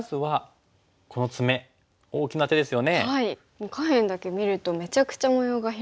もう下辺だけ見るとめちゃくちゃ模様が広がってて。